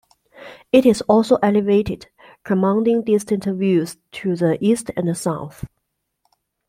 It is also elevated, commanding distant views to the east and south.